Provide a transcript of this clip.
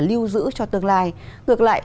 lưu giữ cho tương lai ngược lại